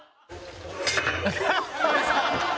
「ハハハッ！」